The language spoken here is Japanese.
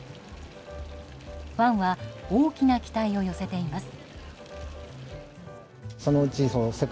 ファンは大きな期待を寄せています。